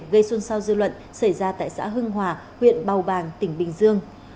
gây xuân sao dư luận xảy ra tại xã hưng hòa huyện bào bàng tỉnh bình dương